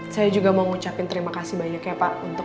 saya juga mau ngucapin terima kasih banyak ya pak